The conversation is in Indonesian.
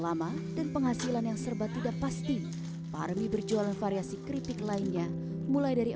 lama dan penghasilan yang serba tidak pasti parmi berjualan variasi keripik lainnya mulai dari